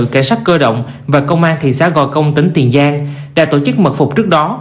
cảnh sát cơ động và công an thị xã gò công tỉnh tiền giang đã tổ chức mật phục trước đó